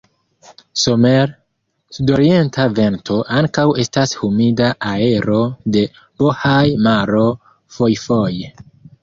Somere, sudorienta vento, ankaŭ estas humida aero de Bohaj-maro fojfoje.